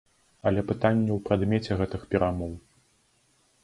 Але пытанне ў прадмеце гэтых перамоў.